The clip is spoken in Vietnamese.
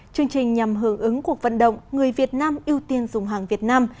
chương trình nhằm hưởng ứng cuộc vận động người việt nam ưu tiên dùng hàng việt nam